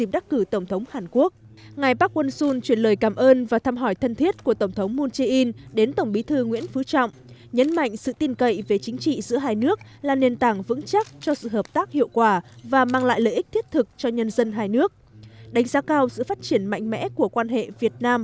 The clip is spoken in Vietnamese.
đặc phái viên của tổng thống hàn quốc đang ở thăm việt nam